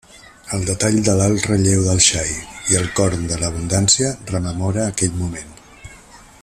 El detall de l'alt relleu del xai i el corn de l'abundància rememora aquell moment.